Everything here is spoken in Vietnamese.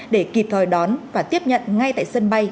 để kịp thời đón và tiếp nhận ngay tại sân bay